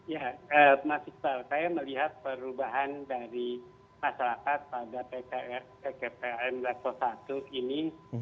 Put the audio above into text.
ya saya melihat perubahan dari masyarakat pada ppkm seribu sembilan ratus satu ini